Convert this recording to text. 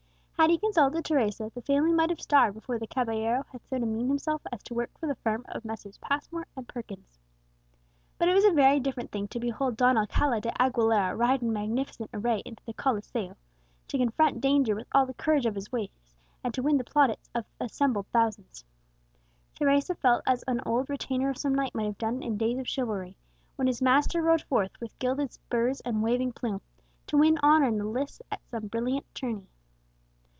Had he consulted Teresa, the family might have starved before the caballero had so demeaned himself as to work for the firm of Messrs. Passmore and Perkins. But it was a very different thing to behold Don Alcala de Aguilera ride in magnificent array into the Coliseo, to confront danger with all the courage of his race, and win the plaudits of assembled thousands. Teresa felt as an old retainer of some knight might have done in days of chivalry, when his master rode forth, with gilded spurs and waving plume, to win honour in the lists at some brilliant tourney.